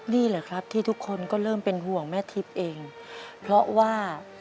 นี่แหละครับที่ทุกคนก็เริ่มเป็นห่วงแม่ทิพย์เองเพราะว่า